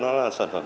nó là số một